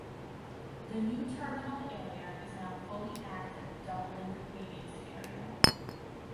The new terminal area is now fully active, doubling the previous area.